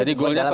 jadi goalnya apa